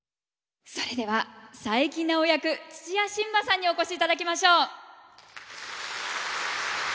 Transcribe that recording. それでは佐伯直役土屋神葉さんにお越し頂きましょう！